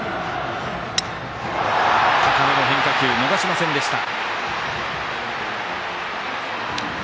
高めの変化球、逃しませんでした。